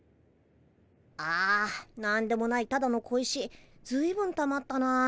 あなんでもないただの小石ずいぶんたまったなあ。